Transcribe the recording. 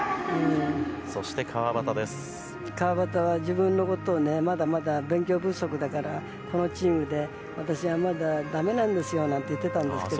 川畑は自分のことをまだまだ勉強不足だからこのチームで、私はまだだめなんですよ、なんて言ってたんですけど。